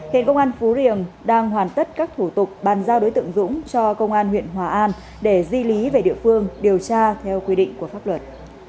hiện công an phú riềng đang hoàn tất các thủ tục bàn giao đối tượng dũng cho công an huyện hòa an để di lý về địa phương điều tra theo quy định của pháp luật